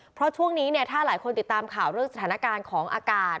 เพราะช่วงนี้เนี่ยถ้าหลายคนติดตามข่าวเรื่องสถานการณ์ของอากาศ